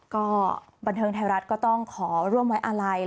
ก็บันเทิงไทยรัฐก็ต้องขอร่วมไว้อาลัย